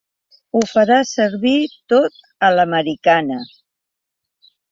Ho farà servir tot a l'americana.